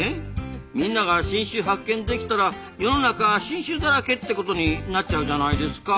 みんなが新種発見できたら世の中新種だらけってことになっちゃうじゃないですか。